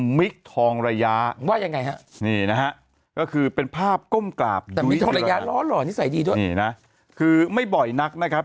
ชมมิกทองระยานี่นะฮะก็คือเป็นภาพก้มกราบยุ้ยจิระนันท์นี่นะคือไม่บ่อยนักนะครับ